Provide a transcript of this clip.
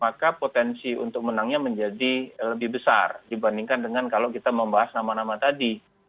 maka potensi untuk menangnya menjadi lebih besar dibandingkan dengan kalau kita membahas nama nama tadi